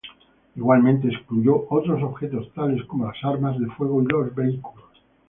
Igualmente, excluyó otros objetos tales como las armas de fuego y los vehículos.